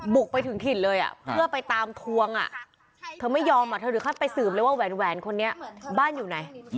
บุกไปถึงถิ่นเลยเพื่อไปตามทวงเธอไม่ยอมเธอถึงขั้นไปสืบเลยว่าแหวนคนนี้บ้านอยู่ไหน